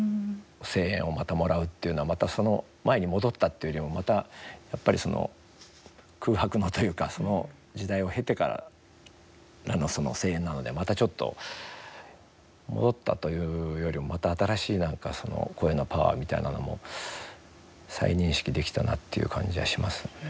声援をまたもらうっていうのはまたその前に戻ったというよりもまた、やっぱり空白のというかその時代を経てからの声援なのでまたちょっと戻ったというよりもまた新しい、なんか声のパワーみたいなのも再認識できたなという感じはしますよね。